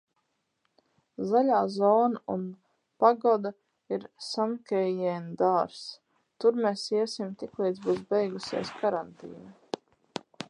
Zaļā zona un pagoda ir Sankeien dārzs. Tur mēs iesim tiklīdz būs beigusies karantīna.